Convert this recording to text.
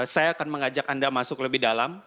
saya akan mengajak anda masuk lebih dalam